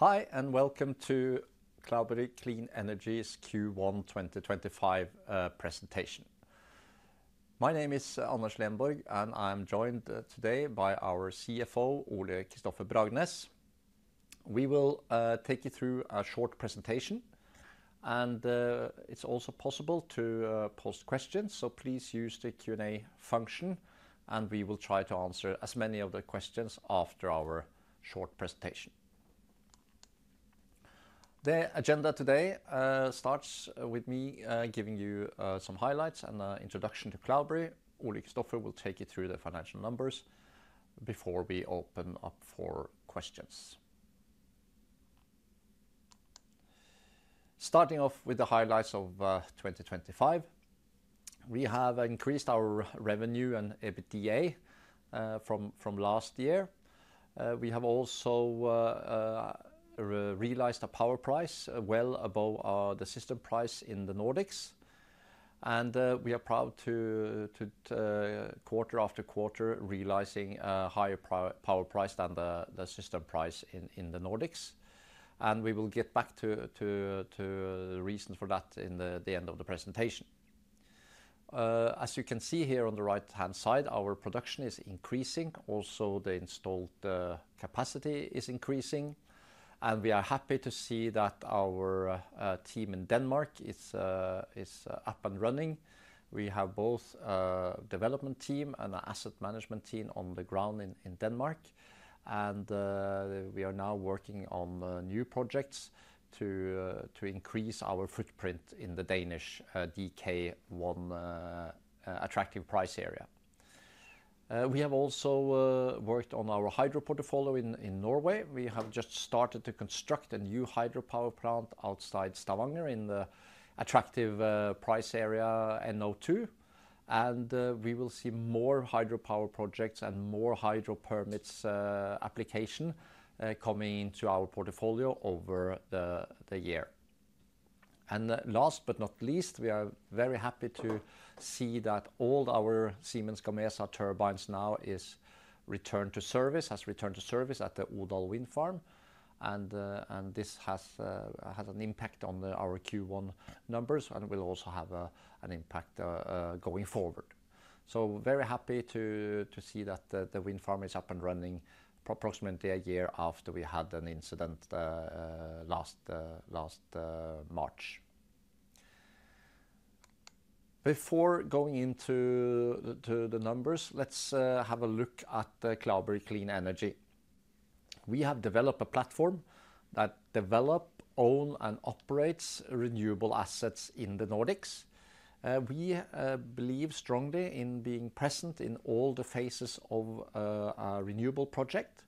Hi, and welcome to Cloudberry Clean Energy's Q1 2025 presentation. My name is Anders Lenborg, and I am joined today by our CFO, Ole-Kristofer Bragnes. We will take you through a short presentation, and it's also possible to post questions, so please use the Q&A function, and we will try to answer as many of the questions after our short presentation. The agenda today starts with me giving you some highlights and an introduction to Cloudberry. Ole-Kristofer will take you through the financial numbers before we open up for questions. Starting off with the highlights of 2025, we have increased our revenue and EBITDA from last year. We have also realized a power price well above the system price in the Nordics, and we are proud to, quarter after quarter, realize a higher power price than the system price in the Nordics. We will get back to the reason for that at the end of the presentation. As you can see here on the right-hand side, our production is increasing. Also, the installed capacity is increasing, and we are happy to see that our team in Denmark is up and running. We have both a development team and an asset management team on the ground in Denmark, and we are now working on new projects to increase our footprint in the Danish DK1 attractive price area. We have also worked on our hydro portfolio in Norway. We have just started to construct a new hydropower plant outside Stavanger in the attractive price area NO2, and we will see more hydropower projects and more hydro permit applications coming into our portfolio over the year. Last but not least, we are very happy to see that all our Siemens Gamesa turbines now have returned to service at the Odal wind farm. This has an impact on our Q1 numbers and will also have an impact going forward. Very happy to see that the wind farm is up and running approximately a year after we had an incident last March. Before going into the numbers, let's have a look at Cloudberry Clean Energy. We have developed a platform that develops, owns, and operates renewable assets in the Nordics. We believe strongly in being present in all the phases of a renewable project,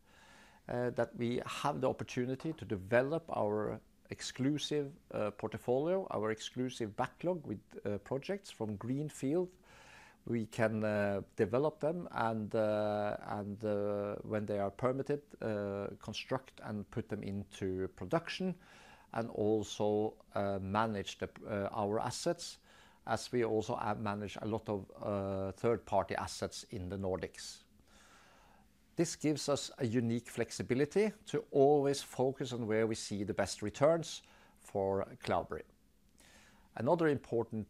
that we have the opportunity to develop our exclusive portfolio, our exclusive backlog with projects from greenfield. We can develop them, and when they are permitted, construct and put them into production, and also manage our assets, as we also manage a lot of third-party assets in the Nordics. This gives us a unique flexibility to always focus on where we see the best returns for Cloudberry. Another important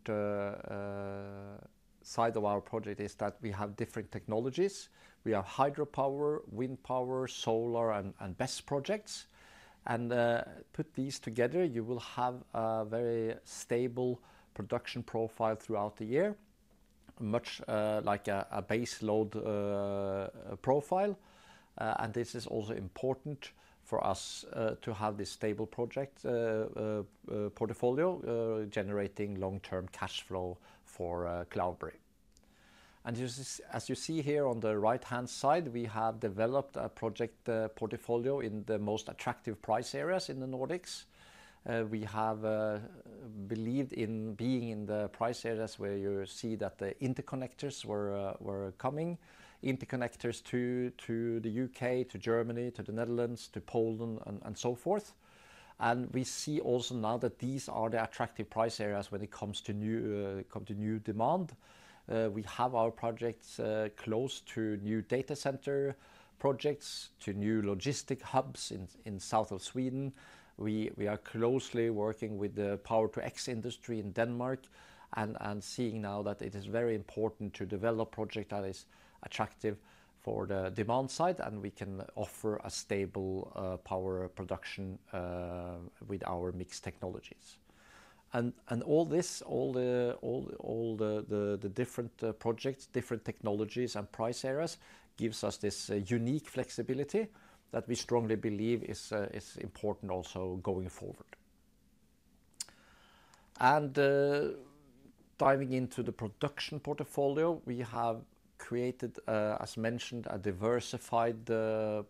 side of our project is that we have different technologies. We have hydropower, wind power, solar, and BESS projects. Put these together, you will have a very stable production profile throughout the year, much like a base load profile. This is also important for us to have this stable project portfolio generating long-term cash flow for Cloudberry. As you see here on the right-hand side, we have developed a project portfolio in the most attractive price areas in the Nordics. We have believed in being in the price areas where you see that the interconnectors were coming, interconnectors to the U.K., to Germany, to the Netherlands, to Poland, and so forth. We see also now that these are the attractive price areas when it comes to new demand. We have our projects close to new data center projects, to new logistic hubs in the south of Sweden. We are closely working with the power-to-X industry in Denmark and seeing now that it is very important to develop a project that is attractive for the demand side, and we can offer a stable power production with our mixed technologies. All this, all the different projects, different technologies, and price areas gives us this unique flexibility that we strongly believe is important also going forward. Diving into the production portfolio, we have created, as mentioned, a diversified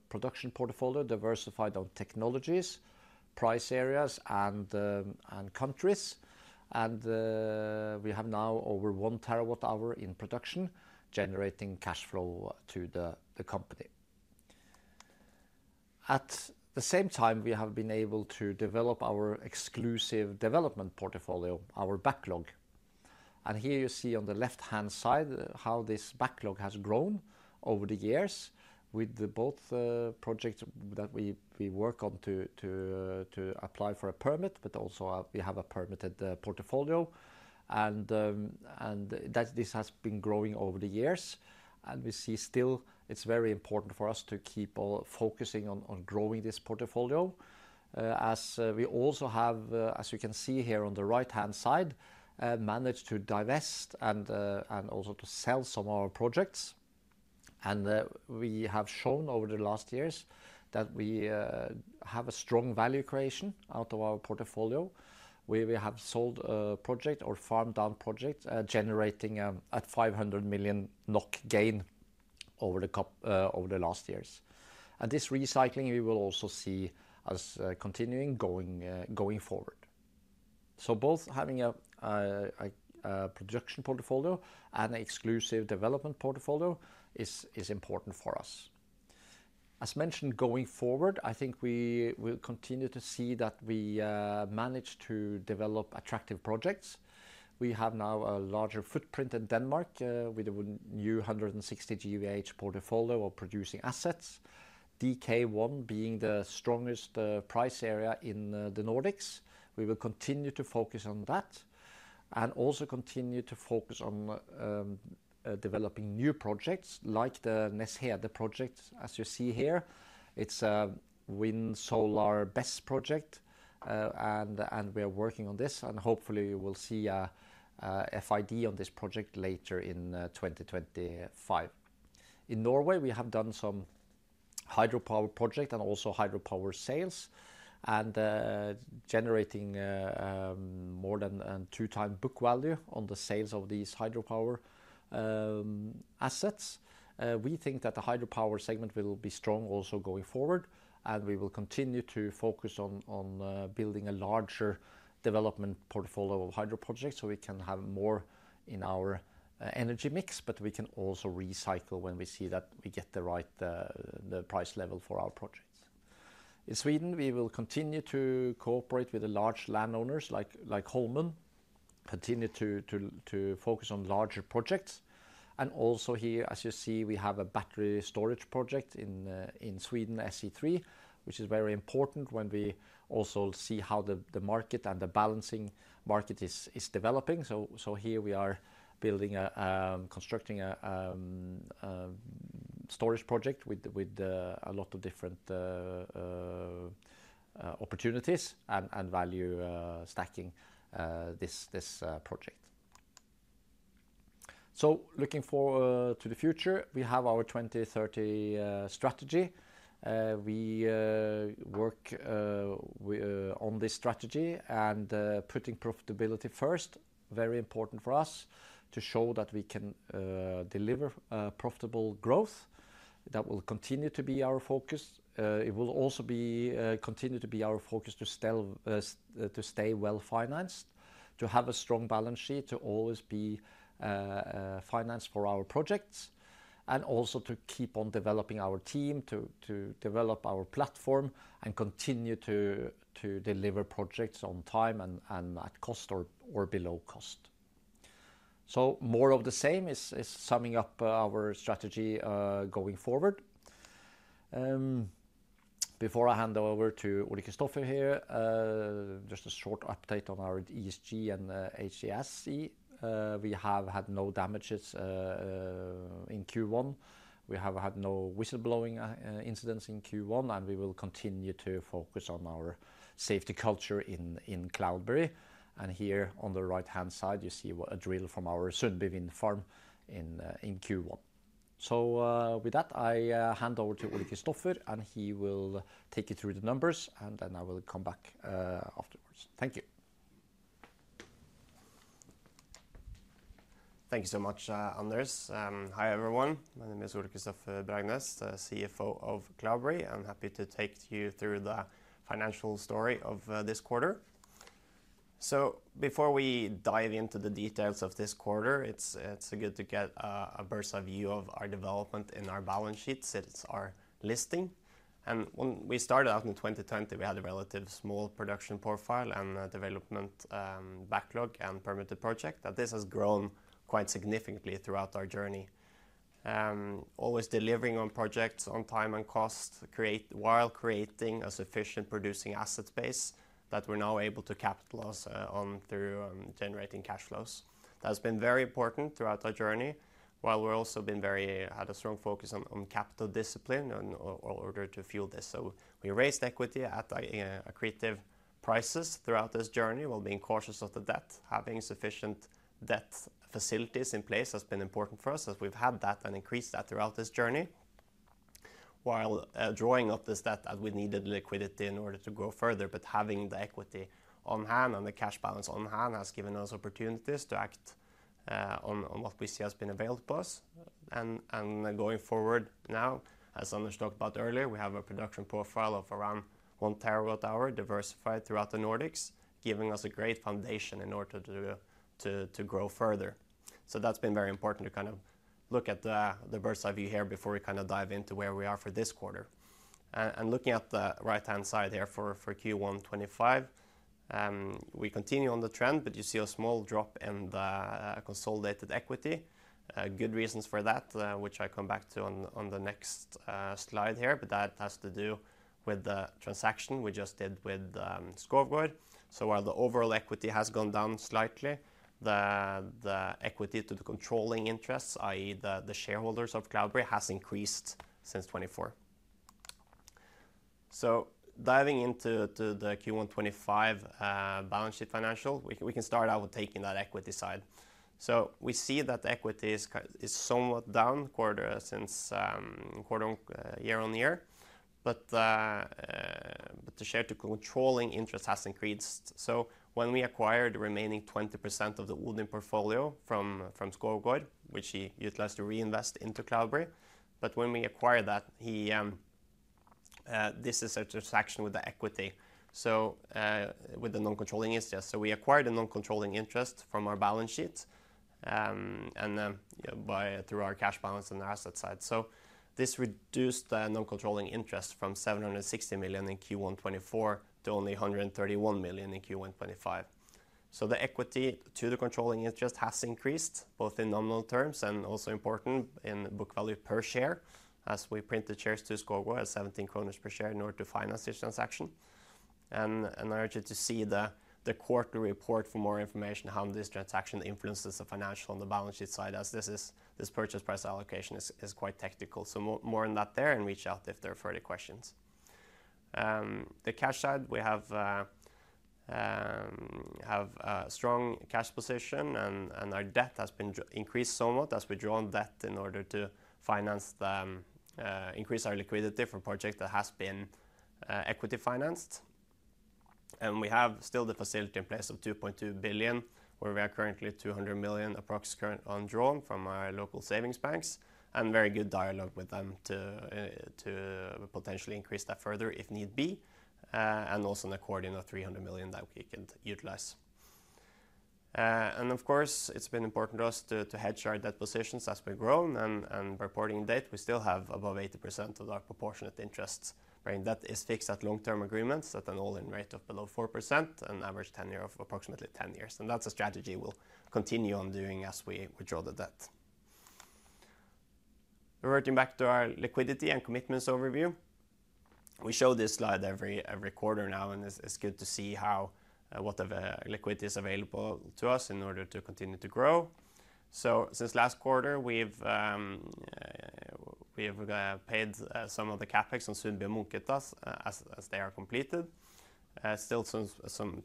production portfolio, diversified on technologies, price areas, and countries. We have now over 1 TWh in production, generating cash flow to the company. At the same time, we have been able to develop our exclusive development portfolio, our backlog. Here you see on the left-hand side how this backlog has grown over the years with both projects that we work on to apply for a permit, but also we have a permitted portfolio. This has been growing over the years. We see still it's very important for us to keep focusing on growing this portfolio, as we also have, as you can see here on the right-hand side, managed to divest and also to sell some of our projects. We have shown over the last years that we have a strong value creation out of our portfolio, where we have sold a project or farmed down project, generating a 500 million NOK gain over the last years. This recycling we will also see as continuing going forward. Both having a production portfolio and an exclusive development portfolio is important for us. As mentioned, going forward, I think we will continue to see that we manage to develop attractive projects. We have now a larger footprint in Denmark with a new 160 GWh portfolio of producing assets, DK1 being the strongest price area in the Nordics. We will continue to focus on that and also continue to focus on developing new projects like the Nesheade project, as you see here. It's a wind solar BESS project, and we are working on this, and hopefully we'll see FID on this project later in 2025. In Norway, we have done some hydropower projects and also hydropower sales, and generating more than two-time book value on the sales of these hydropower assets. We think that the hydropower segment will be strong also going forward, and we will continue to focus on building a larger development portfolio of hydro projects so we can have more in our energy mix, but we can also recycle when we see that we get the right price level for our projects. In Sweden, we will continue to cooperate with large landowners like Holmen, continue to focus on larger projects. Also here, as you see, we have a battery storage project in Sweden, SE3, which is very important when we also see how the market and the balancing market is developing. Here we are constructing a storage project with a lot of different opportunities and value stacking this project. Looking forward to the future, we have our 2030 strategy. We work on this strategy and putting profitability first, very important for us to show that we can deliver profitable growth. That will continue to be our focus. It will also continue to be our focus to stay well financed, to have a strong balance sheet, to always be financed for our projects, and also to keep on developing our team, to develop our platform, and continue to deliver projects on time and at cost or below cost. More of the same is summing up our strategy going forward. Before I hand over to Ole-Kristofer here, just a short update on our ESG and HASE. We have had no damages in Q1. We have had no whistleblowing incidents in Q1, and we will continue to focus on our safety culture in Cloudberry. Here on the right-hand side, you see a drill from our Sundbyvind farm in Q1. With that, I hand over to Ole-Kristofer, and he will take you through the numbers, and then I will come back afterwards. Thank you. Thank you so much, Anders. Hi everyone. My name is Ole-Kristofer Bragnes, the CFO of Cloudberry, and I'm happy to take you through the financial story of this quarter. Before we dive into the details of this quarter, it's good to get a broad view of our development in our balance sheets. It's our listing. When we started out in 2020, we had a relatively small production profile and development backlog and permitted project. This has grown quite significantly throughout our journey, always delivering on projects on time and cost while creating a sufficient producing asset base that we're now able to capitalize on through generating cash flows. That's been very important throughout our journey, while we've also had a strong focus on capital discipline in order to fuel this. We raised equity at accretive prices throughout this journey while being cautious of the debt. Having sufficient debt facilities in place has been important for us as we've had that and increased that throughout this journey. While drawing up this debt, we needed liquidity in order to go further, but having the equity on hand and the cash balance on hand has given us opportunities to act on what we see has been available to us. Going forward now, as Anders talked about earlier, we have a production profile of around 1 TWh diversified throughout the Nordics, giving us a great foundation in order to grow further. That has been very important to kind of look at the burst of view here before we kind of dive into where we are for this quarter. Looking at the right-hand side here for Q1 2025, we continue on the trend, but you see a small drop in the consolidated equity. Good reasons for that, which I come back to on the next slide here, but that has to do with the transaction we just did with Skovgaard. While the overall equity has gone down slightly, the equity to the controlling interests, i.e., the shareholders of Cloudberry, has increased since 2024. Diving into the Q1 2025 balance sheet financial, we can start out with taking that equity side. We see that equity is somewhat down quarter year on year, but the share to controlling interest has increased. When we acquired the remaining 20% of the Odin portfolio from Skovgaard, which he utilized to reinvest into Cloudberry, when we acquired that, this is a transaction with the equity, with the non-controlling interest. We acquired the non-controlling interest from our balance sheet and through our cash balance on the asset side. This reduced the non-controlling interest from 760 million in Q1 2024 to only 131 million in Q1 2025. The equity to the controlling interest has increased both in nominal terms and also important in book value per share as we printed shares to Skovgaard at 17 kroner per share in order to finance this transaction. I urge you to see the quarterly report for more information on how this transaction influences the financial on the balance sheet side, as this purchase price allocation is quite technical. More on that there and reach out if there are further questions. The cash side, we have a strong cash position, and our debt has been increased somewhat as we draw on debt in order to increase our liquidity for projects that have been equity financed. We have still the facility in place of 2.2 billion, where we are currently 200 million approximately drawn from our local savings banks and very good dialogue with them to potentially increase that further if need be, and also an accordion of 300 million that we could utilize. Of course, it's been important to us to hedge our debt positions as we grow and reporting date. We still have above 80% of our proportionate interest where that is fixed at long-term agreements at an all-in rate of below 4% and average tenor of approximately 10 years. That's a strategy we'll continue on doing as we withdraw the debt. Reverting back to our liquidity and commitments overview, we show this slide every quarter now, and it's good to see whatever liquidity is available to us in order to continue to grow. Since last quarter, we've paid some of the CapEx on Sundbyvind Montgut as they are completed. Still some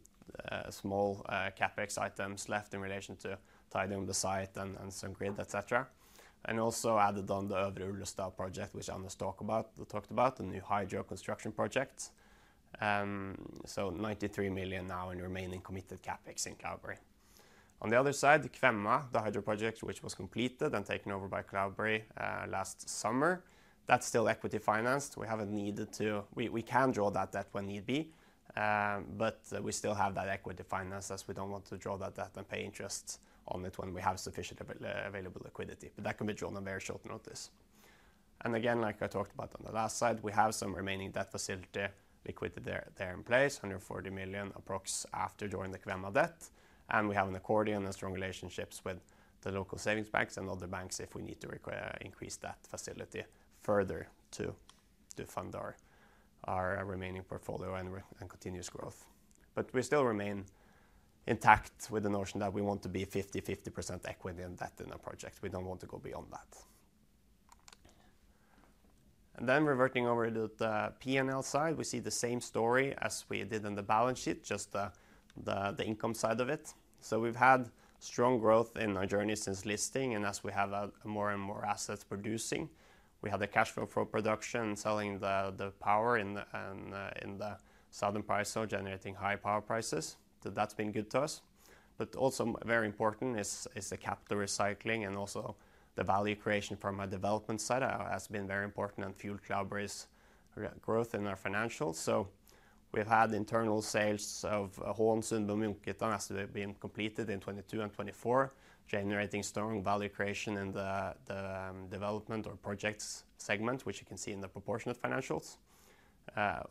small CapEx items left in relation to tidying up the site and some grid, etc. Also added on the Øvre Ullestad project, which Anders talked about, the new hydro construction project. 93 million now in remaining committed CapEx in Cloudberry. On the other side, the Kvemma, the hydro project which was completed and taken over by Cloudberry last summer, that's still equity financed. We haven't needed to, we can draw that debt when need be, but we still have that equity finance as we don't want to draw that debt and pay interest on it when we have sufficient available liquidity, but that can be drawn on very short notice. Again, like I talked about on the last side, we have some remaining debt facility liquidity there in place, 140 million approx after drawing the Kwemma debt. We have an accordion and strong relationships with the local savings banks and other banks if we need to increase that facility further to fund our remaining portfolio and continuous growth. We still remain intact with the notion that we want to be 50%-50% equity in debt in a project. We do not want to go beyond that. Reverting over to the P&L side, we see the same story as we did in the balance sheet, just the income side of it. We've had strong growth in our journey since listing, and as we have more and more assets producing, we have the cash flow for production and selling the power in the southern parcel generating high power prices. That's been good to us. Also very important is the capital recycling and the value creation from our development side, which has been very important and fueled Cloudberry's growth in our financials. We've had internal sales of Håland, Sundby Ind, Montagut as they've been completed in 2022 and 2024, generating strong value creation in the development or projects segment, which you can see in the proportionate financials,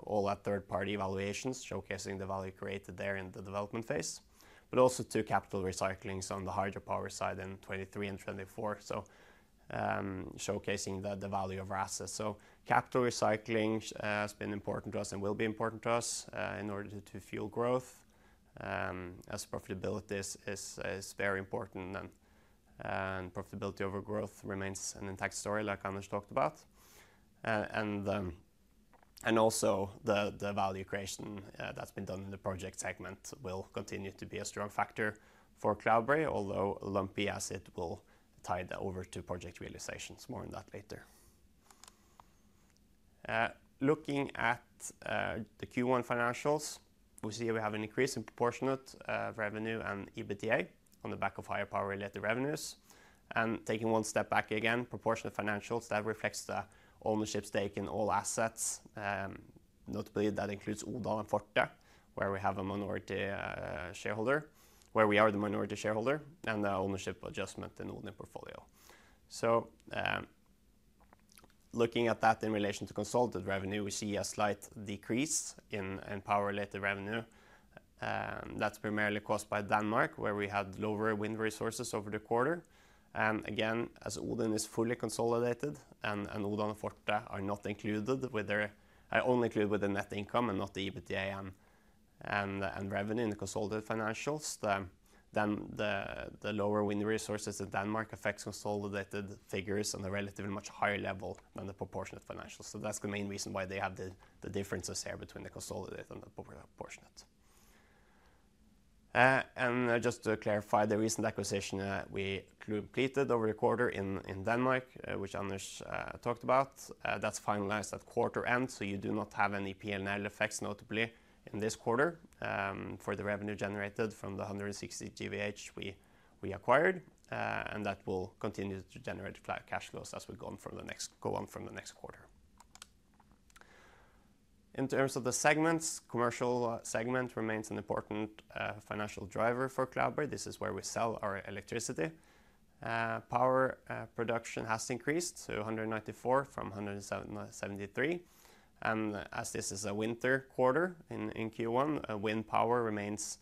all at third-party valuations showcasing the value created there in the development phase, but also two capital recyclings on the hydropower side in 2023 and 2024, showcasing the value of our assets. Capital recycling has been important to us and will be important to us in order to fuel growth as profitability is very important and profitability over growth remains an intact story like Anders talked about. Also, the value creation that has been done in the project segment will continue to be a strong factor for Cloudberry, although lumpy as it will tie that over to project realizations. More on that later. Looking at the Q1 financials, we see we have an increase in proportionate revenue and EBITDA on the back of higher power related revenues. Taking one step back again, proportionate financials, that reflects the ownership stake in all assets, notably that includes Odal and Forte, where we are the minority shareholder and the ownership adjustment in Odin portfolio. Looking at that in relation to consolidated revenue, we see a slight decrease in power related revenue. That is primarily caused by Denmark, where we had lower wind resources over the quarter. Again, as Odin is fully consolidated and Odal and Forte are only included with their net income and not the EBITDA and revenue in the consolidated financials, the lower wind resources in Denmark affect consolidated figures on a relatively much higher level than the proportionate financials. That is the main reason why they have the differences here between the consolidated and the proportionate. Just to clarify, the recent acquisition that we completed over the quarter in Denmark, which Anders talked about, is finalized at quarter end, so you do not have any P&L effects notably in this quarter for the revenue generated from the 160 GWh we acquired, and that will continue to generate cash flows as we go on from the next quarter. In terms of the segments, commercial segment remains an important financial driver for Cloudberry. This is where we sell our electricity. Power production has increased to 194 from 173. As this is a winter quarter in Q1, wind power remains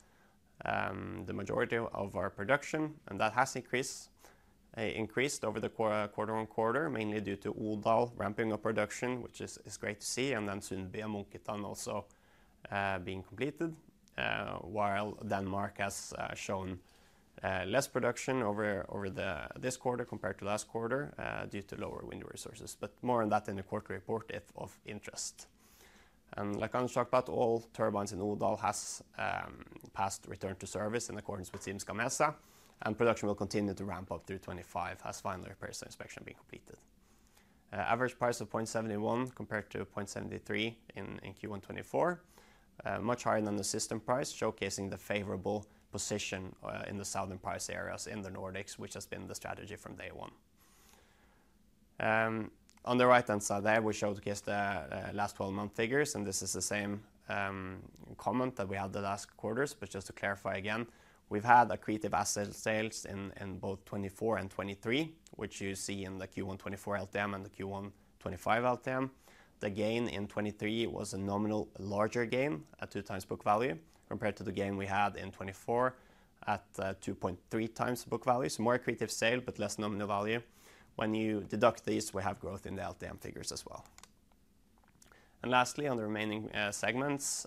the majority of our production, and that has increased quarter on quarter, mainly due to Odal ramping up production, which is great to see, and then Sundby Ind Montagut also being completed, while Denmark has shown less production over this quarter compared to last quarter due to lower wind resources. More on that is in the quarterly report of interest. Like Anders talked about, all turbines in Odal have passed return to service in accordance with Siemens Gamesa, and production will continue to ramp up through 2025 as final repairs and inspection have been completed. Average price of 0.71 compared to 0.73 in Q1 2024, much higher than the system price, showcasing the favorable position in the southern price areas in the Nordics, which has been the strategy from day one. On the right-hand side there, we showcase the last 12-month figures, and this is the same comment that we had the last quarters, but just to clarify again, we've had accretive asset sales in both 2024 and 2023, which you see in the Q1 2024 LTM and the Q1 2025 LTM. The gain in 2023 was a nominal larger gain at two times book value compared to the gain we had in 2024 at 2.3 times book value, so more accretive sale, but less nominal value. When you deduct these, we have growth in the LTM figures as well. Lastly, on the remaining segments,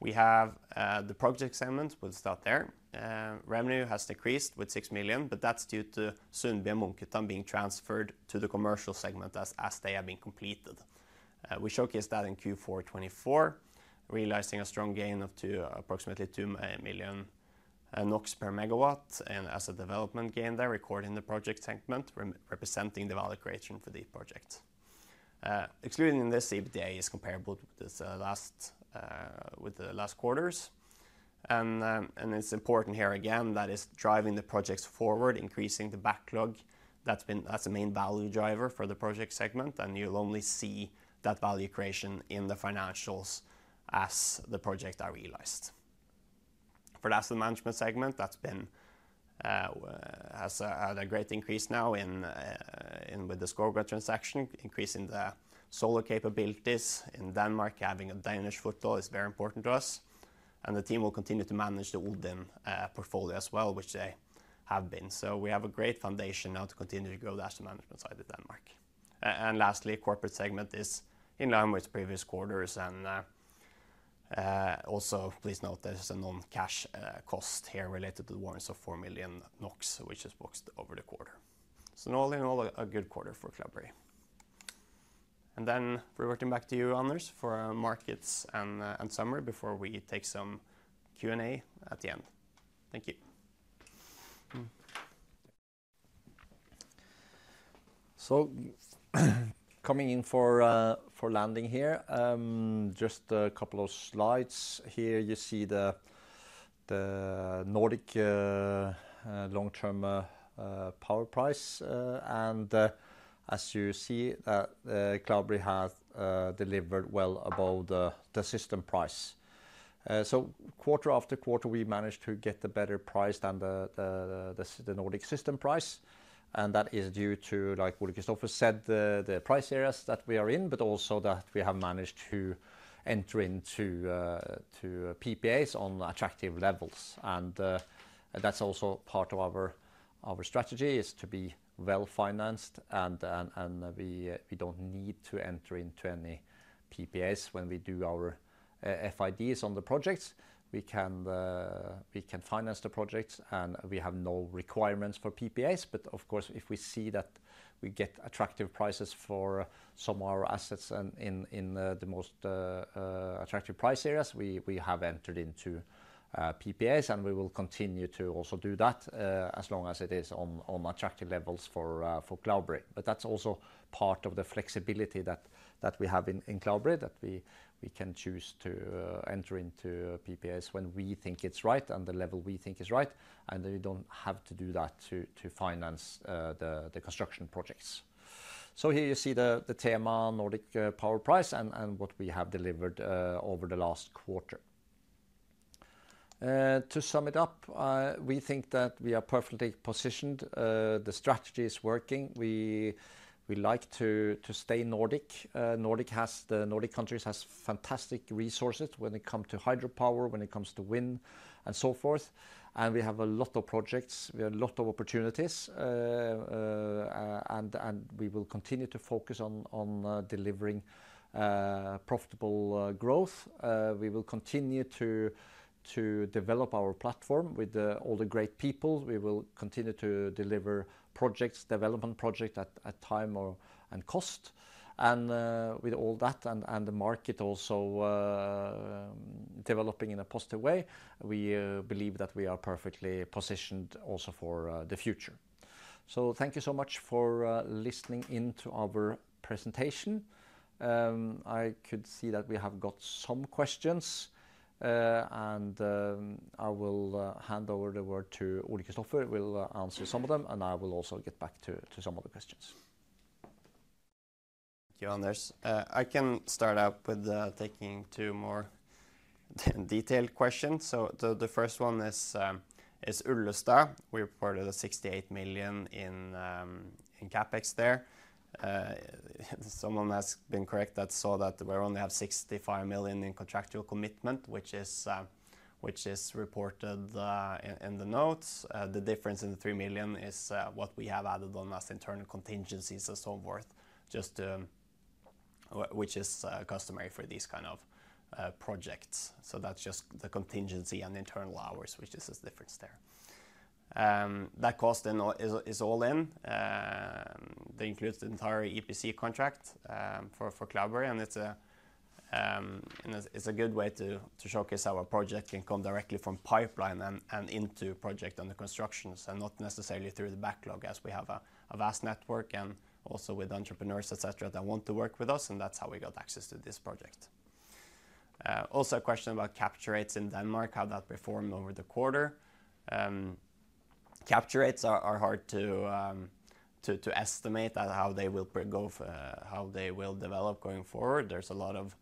we have the project segment, we'll start there. Revenue has decreased with 6 million, but that's due to Sundbyvind Montgut being transferred to the commercial segment as they have been completed. We showcase that in Q4 2024, realizing a strong gain of approximately 2 million NOK per megawatt and as a development gain there, recording the project segment, representing the value creation for the project. Excluding this, EBITDA is comparable with the last quarters. It is important here again that is driving the projects forward, increasing the backlog. That is the main value driver for the project segment, and you will only see that value creation in the financials as the projects are realized. For the asset management segment, that has had a great increase now with the Skovgaard transaction, increasing the solar capabilities. In Denmark, having a Danish footload is very important to us, and the team will continue to manage the Odin portfolio as well, which they have been. We have a great foundation now to continue to grow the asset management side of Denmark. Lastly, corporate segment is in line with previous quarters, and also please note there's a non-cash cost here related to the warrants of 4 million NOK, which is boxed over the quarter. All in all, a good quarter for Cloudberry. Reverting back to you, Anders, for markets and summary before we take some Q&A at the end. Thank you. Coming in for landing here, just a couple of slides here. You see the Nordic long-term power price, and as you see, Cloudberry has delivered well above the system price. Quarter after quarter, we managed to get a better price than the Nordic system price, and that is due to, like Ole-Kristofer said, the price areas that we are in, but also that we have managed to enter into PPAs on attractive levels. That is also part of our strategy, to be well financed, and we do not need to enter into any PPAs when we do our FIDs on the projects. We can finance the projects, and we have no requirements for PPAs. Of course, if we see that we get attractive prices for some of our assets in the most attractive price areas, we have entered into PPAs, and we will continue to also do that as long as it is on attractive levels for Cloudberry. That is also part of the flexibility that we have in Cloudberry, that we can choose to enter into PPAs when we think it is right and the level we think is right, and we do not have to do that to finance the construction projects. Here you see the TMR Nordic power price and what we have delivered over the last quarter. To sum it up, we think that we are perfectly positioned. The strategy is working. We like to stay Nordic. Nordic has the Nordic countries have fantastic resources when it comes to hydropower, when it comes to wind, and so forth. We have a lot of projects. We have a lot of opportunities, and we will continue to focus on delivering profitable growth. We will continue to develop our platform with all the great people. We will continue to deliver projects, development projects at time and cost. With all that and the market also developing in a positive way, we believe that we are perfectly positioned also for the future. Thank you so much for listening in to our presentation. I could see that we have got some questions, and I will hand over the word to Ole-Kristofer. We'll answer some of them, and I will also get back to some of the questions. Thank you, Anders. I can start out with taking two more detailed questions. The first one is Ullestad. We reported 68 million in CapEx there. Someone has been correct that saw that we only have 65 million in contractual commitment, which is reported in the notes. The difference in the 3 million is what we have added on as internal contingencies and so forth, which is customary for these kinds of projects. That is just the contingency and internal hours, which is the difference there. That cost is all in. They include the entire EPC contract for Cloudberry, and it's a good way to showcase our project and come directly from pipeline and into project under construction, not necessarily through the backlog as we have a vast network and also with entrepreneurs, etc., that want to work with us, and that's how we got access to this project. Also a question about capture rates in Denmark, how that performed over the quarter. Capture rates are hard to estimate how they will develop going forward. There are a lot of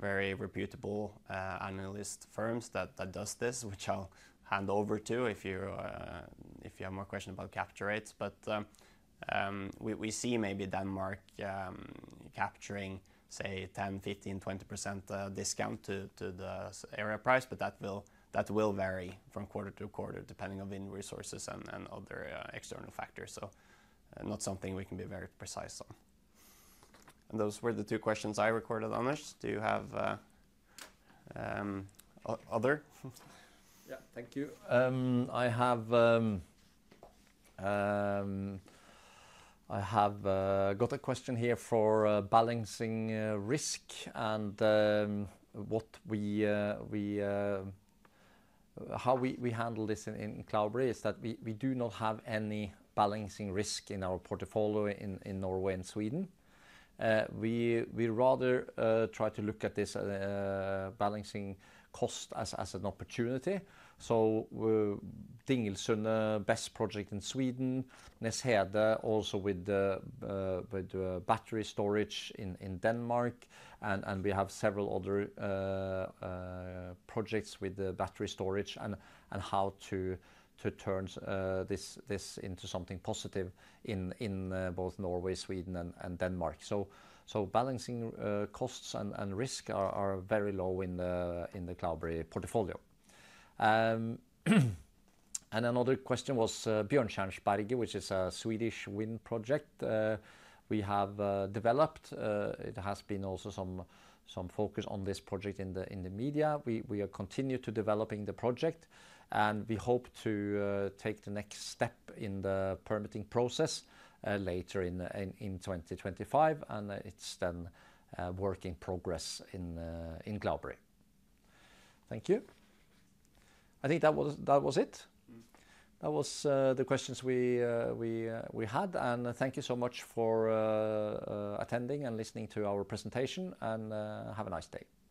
very reputable analyst firms that do this, which I'll hand over to if you have more questions about capture rates. We see maybe Denmark capturing, say, 10-15-20% discount to the area price, but that will vary from quarter to quarter depending on wind resources and other external factors. Not something we can be very precise on. Those were the two questions I recorded, Anders. Do you have other? Yeah, thank you. I have got a question here for balancing risk and how we handle this in Cloudberry is that we do not have any balancing risk in our portfolio in Norway and Sweden. We rather try to look at this balancing cost as an opportunity. We are Dingelsund, the best project in Sweden, Neshede also with battery storage in Denmark, and we have several other projects with battery storage and how to turn this into something positive in both Norway, Sweden, and Denmark. Balancing costs and risk are very low in the Cloudberry portfolio. Another question was Björnshans Berge, which is a Swedish wind project we have developed. It has been also some focus on this project in the media. We are continuing to develop the project, and we hope to take the next step in the permitting process later in 2025, and it's then a work in progress in Cloudberry. Thank you. I think that was it. That was the questions we had, and thank you so much for attending and listening to our presentation, and have a nice day. Thank you.